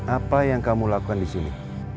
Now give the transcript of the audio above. apa yang kamu lakukan disini